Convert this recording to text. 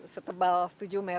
setebal tujuh meter itu